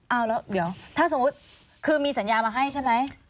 เอาแล้วเดี๋ยวถ้าสมมุติคือมีสัญญามาให้ใช่ไหม